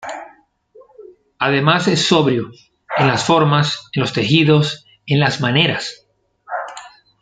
Además es sobrio, en las formas, en los tejidos, en las maneras.